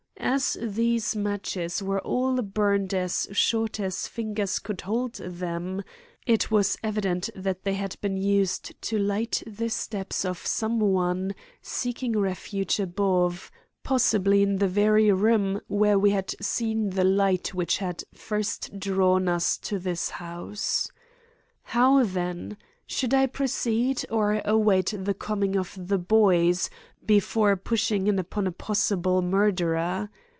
As these matches were all burned as short as fingers could hold them, it was evident that they had been used to light the steps of some one seeking refuge above, possibly in the very room where we had seen the light which had first drawn us to this house. How then? Should I proceed or await the coming of the "boys" before pushing in upon a possible murderer?